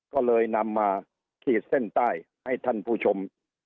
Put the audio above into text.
ก็เลยนำมาขีดเส้นใต้ให้ท่านผู้ชม